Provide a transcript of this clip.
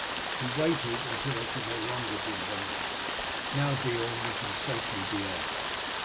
He waited until they could no longer be heard. "Now, Beorn, we can safely be off."